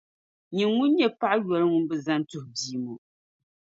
Nyin’ ŋun nyɛ paɣ’ yoli ŋun bi zani tuhi bia ŋɔ!